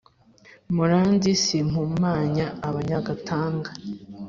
muranzi simpumanya abanyagatanga.